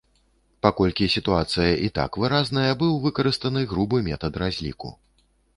Паколькі сітуацыя і так выразная, быў выкарыстаны грубы метад разліку.